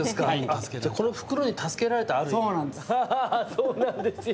そうなんですよ！